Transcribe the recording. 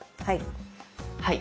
はい。